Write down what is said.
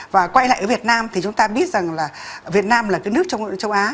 và quay lại ở việt nam thì chúng ta biết rằng là việt nam là cái nước châu á